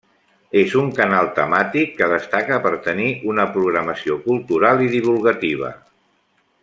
És un canal temàtic que destaca per tenir una programació cultural i divulgativa.